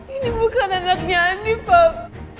ini bukan anaknya andi bapak